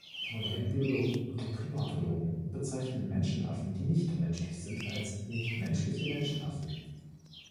Moderne Biologen und Primatologen bezeichnen Menschenaffen, die nicht menschlich sind, als „nicht-menschliche" Menschenaffen.